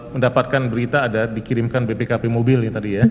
mendapatkan berita ada dikirimkan bpkp mobil tadi ya